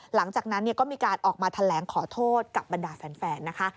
หลังจากนั้นก็มีการออกมาแถลงขอโทษกับบรรดาแฟนนะคะ